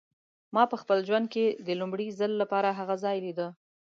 ما په خپل ژوند کې د لومړي ځل لپاره هغه ځای لیده.